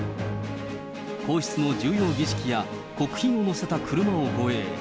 皇室の重要儀式や国賓を乗せた車を護衛。